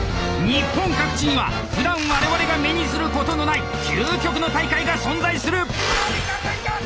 日本各地にはふだん我々が目にすることのない究極の大会が存在する！